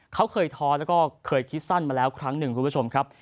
เขาเคยท้อแล้วก็เคยคิดสั้นมาแล้วครั้งหนึ่งคุณผู้ชมครับ